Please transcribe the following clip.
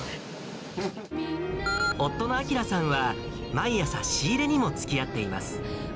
夫の晃さんは、毎朝仕入れにもつきあっています。